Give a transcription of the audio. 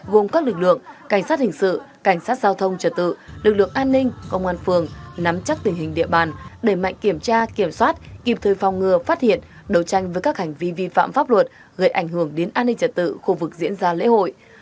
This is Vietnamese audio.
gồm các lực lượng cảnh sát hình sự cảnh sát giao thông trật tự lực lượng an ninh công an phường nắm chắc tình hình địa bàn đẩy mạnh kiểm tra kiểm soát kịp thời phòng ngừa phát hiện đấu tranh với các hành vi vi phạm pháp luật gây ảnh hưởng đến an ninh trật tự khu vực diễn ra lễ hội